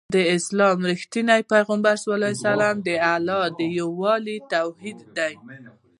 د اسلام رښتينی پيغام د الله يووالی او توحيد دی